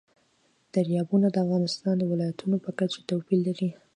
دریابونه د افغانستان د ولایاتو په کچه توپیر لري.